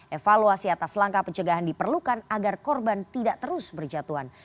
evaluasi atas langkah pencegahan diperlukan agar korban tidak terus berjatuhan